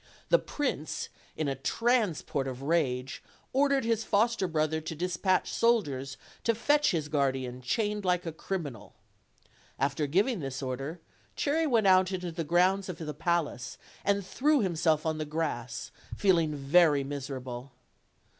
The prince, in a transport of rage, ordered his foster brother to dispatch soldiers to fetch his guardian chained like a criminal. After giving this order, Cherry went out into the grounds of the palace, and threw himself on the grass, feeling very miserable.